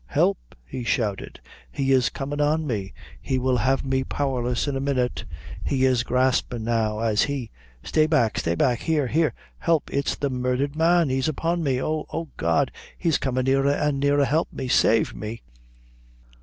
"Help," he shouted, "he is comin' on me he will have me powerless in a minute. He is gaspin' now, as he Stay back, stay back here here, help; it's the murdhered man he's upon me. Oh! Oh, God! he's comin' nearer and nearer. Help me save me!"